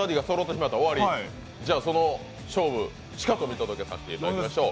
じゃあ、その勝負、しかと見届けさせていただきましょう。